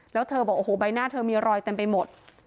แล้วเธอบอกโอ้โหใบหน้าเธอมีรอยเต็มไปหมด